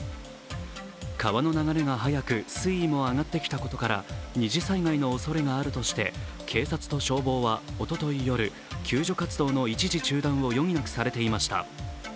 川の流れが速く水位も上がってきたことから二次災害のおそれがあるとして、警察と消防はおととい夜救助活動の一時中断を余儀なくされていました。